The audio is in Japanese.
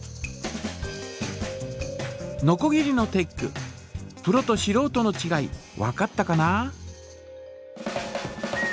のこぎりのテックプロとしろうとのちがいわかったかな？